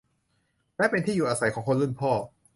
และเป็นที่อยู่อาศัยของคนรุ่นพ่อ